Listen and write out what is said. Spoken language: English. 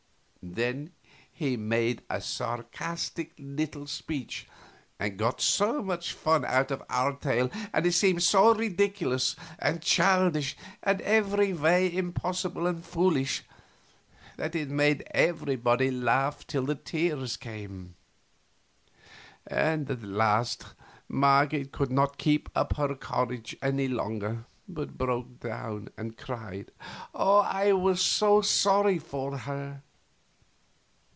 Then he made a sarcastic little speech, and got so much fun out of our tale, and it seemed so ridiculous and childish and every way impossible and foolish, that it made everybody laugh till the tears came; and at last Marget could not keep up her courage any longer, but broke down and cried, and I was so sorry for her.